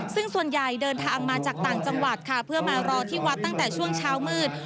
ซึ่งส่วนใหญ่เดินทางมาจากต่างจังหวัดค่ะเพื่อมารอที่วัดตั้งแต่ช่วงเช้ามืด